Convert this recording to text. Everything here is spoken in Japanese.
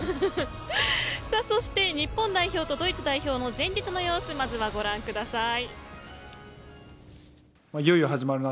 そして日本代表とドイツ代表の前日の様子まずはご覧ください。